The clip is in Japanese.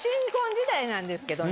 なんですけどね。